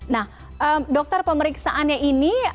nah dokter pemeriksaannya ini